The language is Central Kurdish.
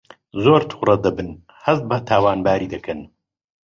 زۆر تووڕە دەبن هەست بە تاوانباری دەکەن